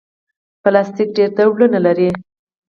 پلاستيک ډېر ډولونه لري.